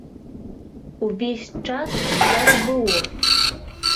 Увесь час так было.